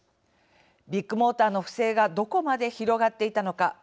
ビッグモーターの不正がどこまで広がっていたのか。